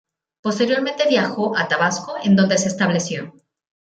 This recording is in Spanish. Posteriormente viajó a Tabasco, en donde se estableció.